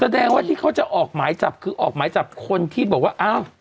แสดงว่าที่เขาจะออกหมายจับคือออกหมายจับคนที่บอกว่าอ้าว